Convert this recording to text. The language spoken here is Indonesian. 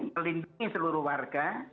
melindungi seluruh warga